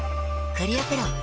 クリアプロだＣ。